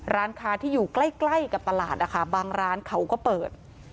ร้านค้าที่อยู่ใกล้กับตลาดนะคะบางร้านเขาก็เปิด